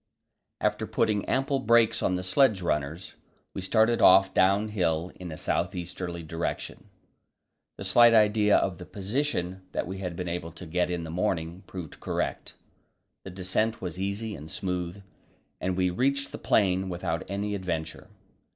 After putting ample brakes on the sledge runners, we started off downhill in a south easterly direction. The slight idea of the position that we had been able to get in the morning proved correct. The descent was easy and smooth, and we reached the plain without any adventure.